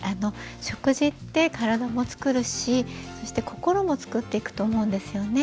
食事って体もつくるしそして心もつくっていくと思うんですよね。